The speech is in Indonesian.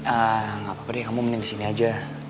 enggak apa apa deh kamu mending di sini aja